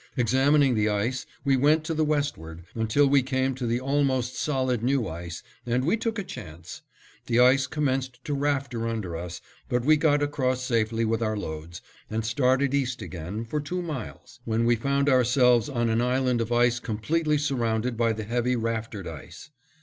Examining the ice, we went to the westward, until we came to the almost solid new ice, and we took a chance. The ice commenced to rafter under us, but we got across safely with our loads, and started east again, for two miles; when we found ourselves on an island of ice completely surrounded by the heavy raftered ice.